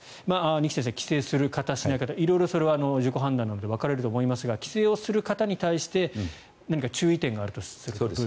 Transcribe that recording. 二木先生、帰省する方帰省しない方それは自己判断なので分かれると思いますが帰省をする方に対して何か注意点があるとすると。